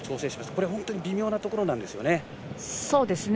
これは本当に微妙なところなんですよね。